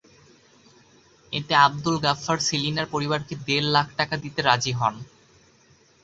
এতে আবদুল গফফার সেলিনার পরিবারকে দেড় লাখ টাকা দিতে রাজি হন।